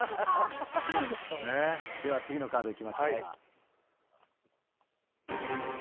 では次のカードいきましょうか。